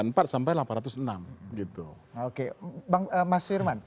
oke mas firman apa kemudian jalan tengah yang dikatakan